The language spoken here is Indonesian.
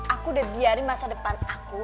aku udah biarin masa depan aku